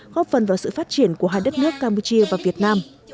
góp phần vào sự phát triển của hai đất nước campuchia và việt nam